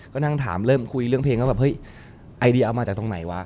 ก็นั่งถามเริ่มคุยเรื่องเพลงว่าแบบเฮ้ยไอเดียเอามาจากตรงไหนวะ